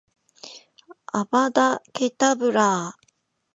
アバダ・ケタブラぁ！！！